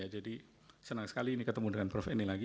jadi senang sekali ini ketemu dengan prof eni lagi